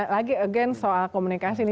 lagi soal komunikasi ini